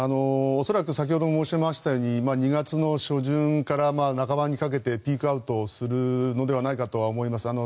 恐らく先ほども申しましたように２月の初旬から半ばにかけてピークアウトするのではないかと思います。